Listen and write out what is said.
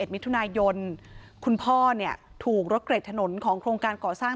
มิถุนายนคุณพ่อเนี่ยถูกรถเกร็ดถนนของโครงการก่อสร้าง